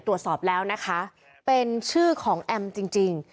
ตรวจสอบแล้วนะคะเป็นชื่อของแอมจริง